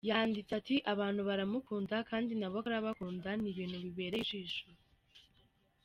Yanditse ati:"Abantu baramukunda, kandi na we arabakunda! N'ibintu bibereye ijisho.